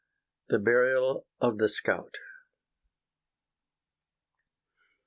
THE BURIAL OF THE SCOUT.